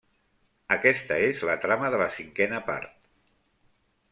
Aquesta és la trama de la cinquena part.